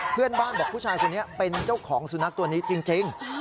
เพื่อนบ้านบอกผู้ชายคนนี้เป็นเจ้าของสุนัขตัวนี้จริง